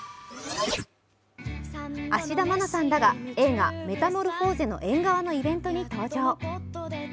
芦田愛菜さんらが映画「メタモルフォーゼの縁側」のイベントに登場。